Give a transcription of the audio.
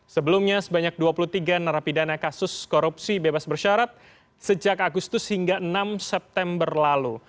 sebelumnya sebanyak dua puluh tiga narapidana kasus korupsi bebas bersyarat sejak agustus hingga enam september lalu